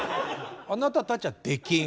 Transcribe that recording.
あなたたちは出禁！